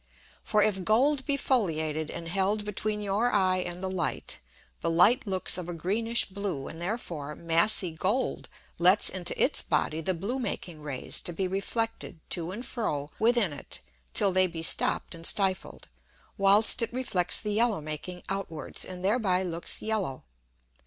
For, if Gold be foliated and held between your Eye and the Light, the Light looks of a greenish blue, and therefore massy Gold lets into its Body the blue making Rays to be reflected to and fro within it till they be stopp'd and stifled, whilst it reflects the yellow making outwards, and thereby looks yellow.